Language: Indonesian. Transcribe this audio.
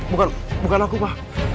bukan bukan aku pak